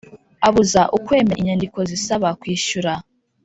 abuza ukwemera inyandiko zisaba kwishyura